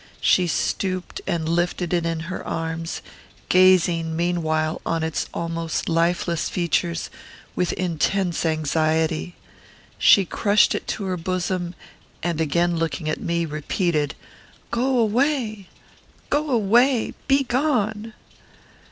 She stooped and lifted it in her arms, gazing, meanwhile, on its almost lifeless features with intense anxiety. She crushed it to her bosom, and, again looking at me, repeated, "Go away! go away! begone!"